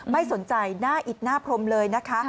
ไม่สนใจหน้าอิดหน้าพรมเลยนะคะ